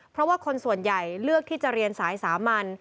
เพราะว่าคนส่วนใหญ่เลือกที่จะเรียนสายสามัญ